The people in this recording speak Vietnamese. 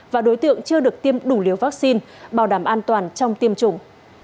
và đối tượng chưa được tiêm đủ liều vaccine bảo đảm an toàn trong tiêm chủng